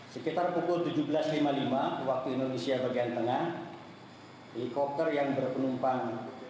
sekitar pukul tujuh belas lima puluh lima waktu indonesia bagian tengah helikopter yang berpenumpang